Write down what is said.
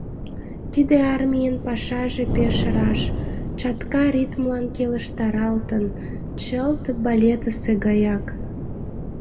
Тиде армийын пашаже пеш раш, чатка ритмлан келыштаралтын, чылт балетысе гаяк.